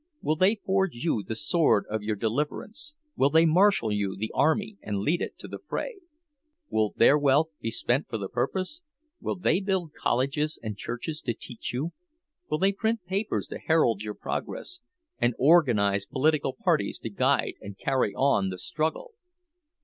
Will they forge you the sword of your deliverance, will they marshal you the army and lead it to the fray? Will their wealth be spent for the purpose—will they build colleges and churches to teach you, will they print papers to herald your progress, and organize political parties to guide and carry on the struggle?